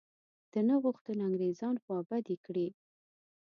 ده نه غوښتل انګرېزان خوابدي کړي.